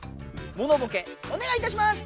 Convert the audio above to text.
モノボケおねがいいたします！